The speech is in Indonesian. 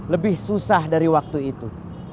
lebih susah dari waktu itu